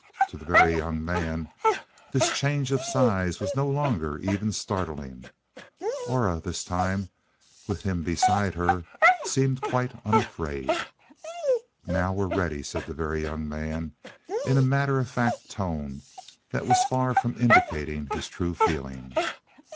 To the Very Young Man this change of size was no longer even startling. Aura, this time, with him beside her, seemed quite unafraid. "Now we're ready," said the Very Young Man, in a matter of fact tone that was far from indicating his true feeling.